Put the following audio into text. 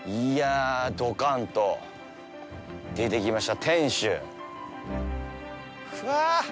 いや、どかんと、出てきました。